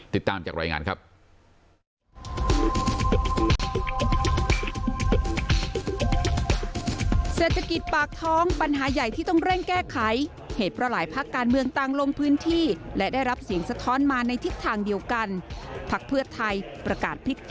ติดตามจากรายงานครับ